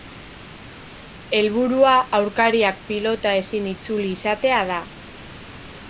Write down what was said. Helburua aurkariak pilota ezin itzuli izatea da.